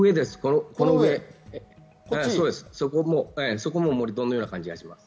そこも盛り土のような気がします。